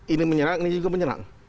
ini menyerang ini juga menyerang